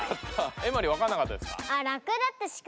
エマリわかんなかったですか？